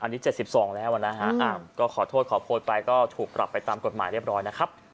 อันนี้๗๒แล้วนะฮะก็ขอโทษขอโพยไปก็ถูกปรับไปตามกฎหมายเรียบร้อยนะครับ